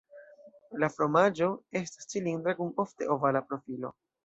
La fromaĝo estas cilindra kun ofte ovala profilo.